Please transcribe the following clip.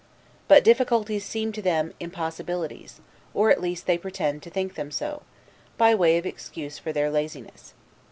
But difficulties seem to them, impossibilities, or at least they pretend to think them so by way of excuse for their laziness.